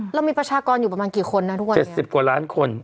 เรามีประชากรอยู่ประมาณกี่คนนะทุกวัน๗๐กว่าล้านคน